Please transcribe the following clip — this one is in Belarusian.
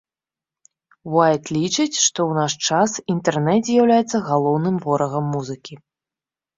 Уайт лічыць, што ў наш час інтэрнэт з'яўляецца галоўным ворагам музыкі.